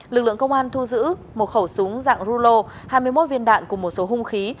lực lượng công an thu giữ một khẩu súng dạng rulo hai mươi một viên đạn cùng một số hung khí